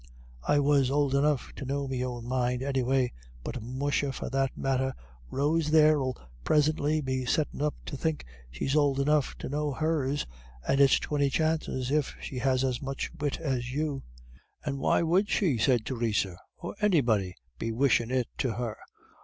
I was ould enough to know me own mind any way. But, musha, for that matter, Rose there 'ill prisintly be settin' up to think she's ould enough to know hers, and it's twinty chances if she has as much wit as you." "And why would she," said Theresa, "or anybody be wishin' it to her?